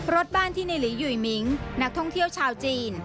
รถบ้านที่ในหลียุยมิ้งนักท่องเที่ยวชาวจีน